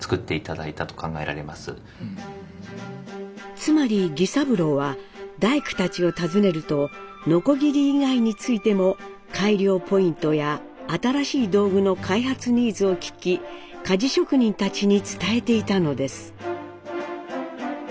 つまり儀三郎は大工たちを訪ねるとノコギリ以外についても改良ポイントや新しい道具の開発ニーズを聞き鍛冶職人たちに伝えていたのです。